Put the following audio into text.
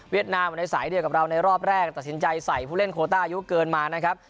นามอยู่ในสายเดียวกับเราในรอบแรกตัดสินใจใส่ผู้เล่นโคต้าอายุเกินมานะครับ